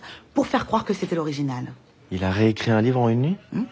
うん。